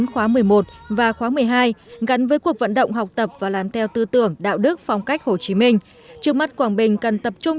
khóa một mươi một và khóa một mươi hai gắn với cuộc vận động học tập và làm theo tư tưởng đạo đức phong cách hồ chí minh trước mắt quảng bình cần tập trung